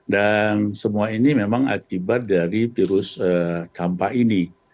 dan semua ini memang akibat dari virus campak ini